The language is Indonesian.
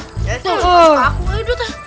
eh terus pas aku aja teh